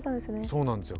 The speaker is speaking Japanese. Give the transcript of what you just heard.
そうなんですよ。